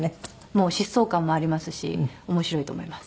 もう疾走感もありますし面白いと思います。